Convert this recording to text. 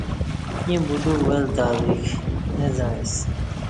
ییں بلیوک ول تا ویک نہ وعیݩسی